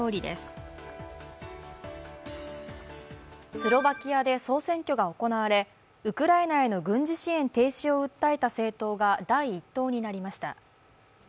スロバキアで総選挙が行われ、ウクライナでの軍事支援停止を訴えた政党が第１党になりました。